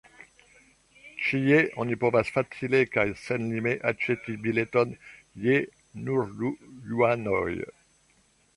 Ĉie oni povas facile kaj senlime aĉeti bileton je nur du juanoj.